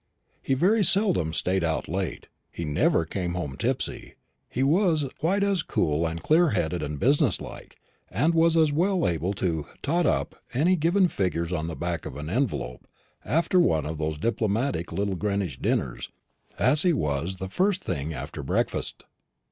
He very seldom stayed out late; he never came home tipsy. He was quite as cool and clear headed and business like, and as well able to "tot up" any given figures upon the back of an envelope after one of those diplomatic little Greenwich dinners as he was the first thing after breakfast.